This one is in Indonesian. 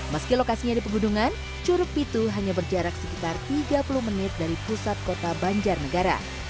meski lokasinya di pegunungan curug pitu hanya berjarak sekitar tiga puluh menit dari pusat kota banjarnegara